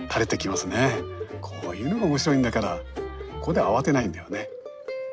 こういうのが面白いんだからここで慌てないんだよね。